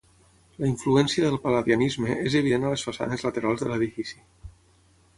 La influència del pal·ladianisme és evident a les façanes laterals de l'edifici.